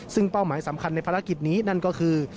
ซึ่งเป้าหมายสำคัญในภารกิจนี้นั่นก็คือ